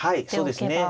はいそうですね。